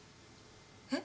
えっ？